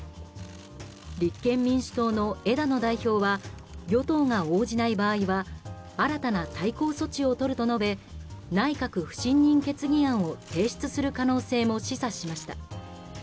立憲民主党の枝野代表は与党が応じない場合は新たな対抗措置をとると述べ内閣不信任決議案を提出する可能性も示唆しました。